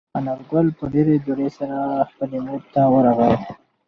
انارګل په ډېرې بیړې سره خپلې مور ته ورغی.